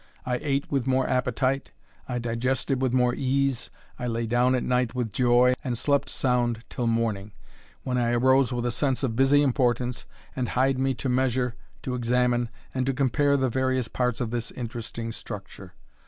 I ate with more appetite, I digested with more ease, I lay down at night with joy, and slept sound till morning, when I arose with a sense of busy importance, and hied me to measure, to examine, and to compare the various parts of this interesting structure.